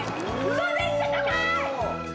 めっちゃ高い！